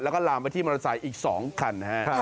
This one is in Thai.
แล้วก็ลามไปที่มอเตอร์ไซค์อีก๒คัน